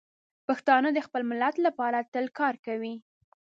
پښتانه د خپل ملت لپاره تل کار کوي.